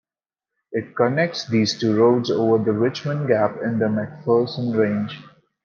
It connects these two roads over the Richmond Gap in the McPherson Range.